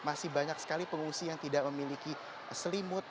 masih banyak sekali pengungsi yang tidak memiliki selimut